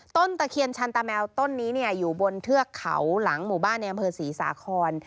ตะเคียนชันตาแมวต้นนี้อยู่บนเทือกเขาหลังหมู่บ้านในอำเภอศรีสาคร